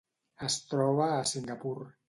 Es troba a Singapur.